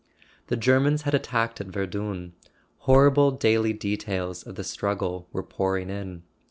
The Germans had attacked at Verdun: horrible daily details of the strug¬ gle were pouring in.